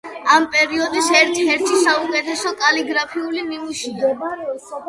ამ პერიოდის ერთ-ერთი საუკეთესო კალიგრაფიული ნიმუშია.